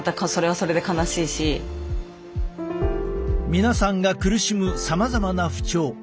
皆さんが苦しむさまざまな不調。